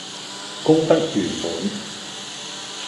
功德圓滿